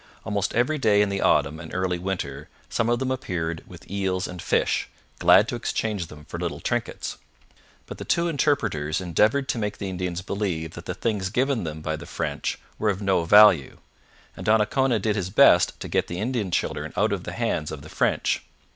Almost every day in the autumn and early winter some of them appeared with eels and fish, glad to exchange them for little trinkets. But the two interpreters endeavoured to make the Indians believe that the things given them by the French were of no value, and Donnacona did his best to get the Indian children out of the hands of the French.